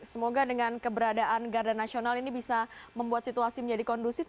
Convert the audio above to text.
semoga dengan keberadaan garda nasional ini bisa membuat situasi menjadi kondusif